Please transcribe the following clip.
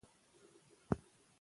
او هغوى ددوى انتظام كوي